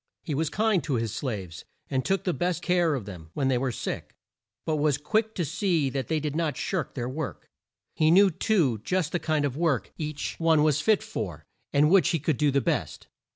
He was kind to his slaves, and took the best of care of them when they were sick, but was quick to see that they did not shirk their work. He knew, too, just the kind of work each one was fit for, and which he could do the best.